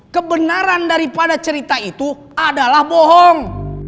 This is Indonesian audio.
kebenaran daripada cerita itu adalah bohong